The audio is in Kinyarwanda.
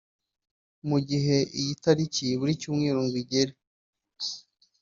Mu gihe iyi tariki ibura icyumweru ngo igere